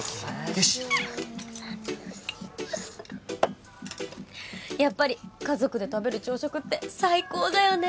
よしやっぱり家族で食べる朝食って最高だよね